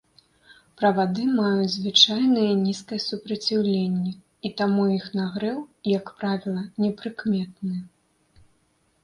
Правады маюць звычайнае нізкае супраціўленне і таму іх нагрэў, як правіла, непрыкметны.